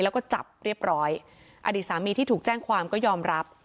แล้วก็จับเรียบร้อยอดีตสามีที่ถูกแจ้งความก็ยอมรับ